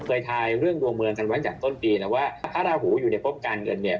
ทายเรื่องดวงเมืองกันไว้จากต้นปีนะว่าพระราหูอยู่ในพบการเงินเนี่ย